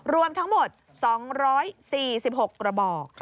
รวมทั้งหมด๒๔๖กระบอก